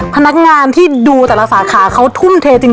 พนักงานที่ดูแต่ละสาขาเขาทุ่มเทจริง